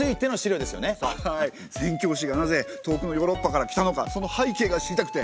宣教師がなぜ遠くのヨーロッパから来たのかその背景が知りたくて。